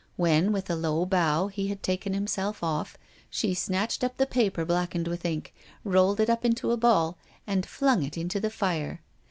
When, with a low bow, he had taken himself off, she snatched up the paper blackened with ink, rolled it up into a ball, and flung it into the fire.